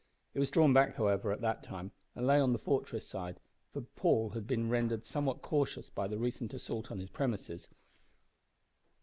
It was drawn back, however, at the time, and lay on the fortress side, for Paul had been rendered somewhat cautious by the recent assault on his premises.